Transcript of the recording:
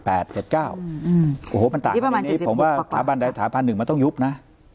อันนี้ประมาณ๗๖กว่าผมว่าถามันได้ถามฟัน๑มันต้องยุปนะ